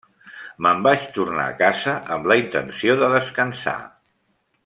Me’n vaig tornar a casa amb la intenció de descansar.